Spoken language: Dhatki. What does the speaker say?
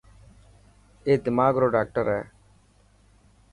اي دماغ رو ڊاڪٽر هي.